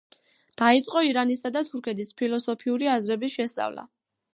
დაიწყო ირანისა და თურქეთის ფილოსოფიური აზრების შესწავლა.